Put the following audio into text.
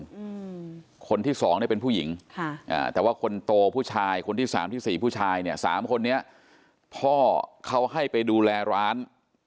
อืมคนที่สองเนี้ยเป็นผู้หญิงค่ะอ่าแต่ว่าคนโตผู้ชายคนที่สามที่สี่ผู้ชายเนี้ยสามคนนี้พ่อเขาให้ไปดูแลร้าน